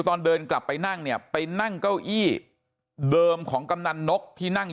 ตอนเดินกลับไปนั่งเนี่ยไปนั่งเก้าอี้เดิมของกำนันนกที่นั่ง